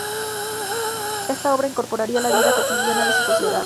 Esta obra incorporaría la vida cotidiana de su sociedad.